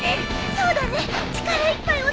そうだね力いっぱい押さないと。